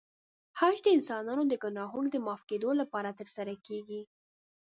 حج د انسانانو د ګناهونو د معاف کېدو لپاره ترسره کېږي.